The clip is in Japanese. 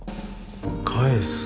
返す。